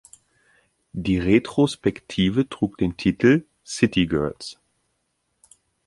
Die Retrospektive trug den Titel „City Girls.